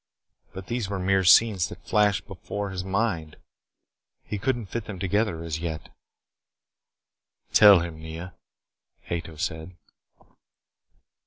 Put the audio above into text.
But these were mere scenes that flashed before his mind. He could not fit them together, as yet. "Tell him, Nea," Ato said.